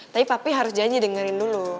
tapi papi harus janji dengerin dulu